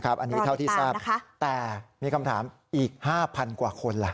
อันนี้เท่าที่ทราบแต่มีคำถามอีก๕๐๐กว่าคนล่ะ